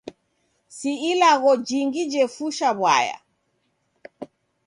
Si ilagho jingi jefusha w'aya.